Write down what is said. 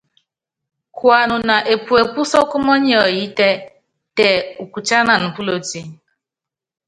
Kuanuna epuepú sɔ́kɔ́ mɔniɔyítɛ, tɛ ukutiánan púloti.